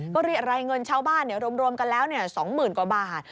ก็เรียกรายเงินชาวบ้านรวมกันแล้ว๒๐๐๐กว่าบาท